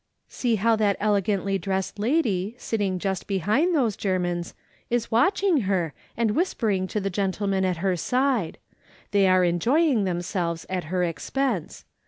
See how that elegantly dressed lady, sitting ••/ THINK AND MRS. SMITH DOESr 71 just behind those Germans, is watching her, ami whispering to the gentleman at her side. They are enjoying themselves at her expense.